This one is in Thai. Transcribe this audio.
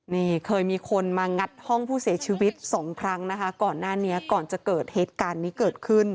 นี่เคยมีคนมางัดห้องผู้เสียชีวิตสองครั้งนะคะก่อนหน้านี้ก่อนจะเกิดเหตุการณ์นี้เกิดขึ้น